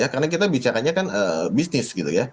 karena kita bicaranya kan bisnis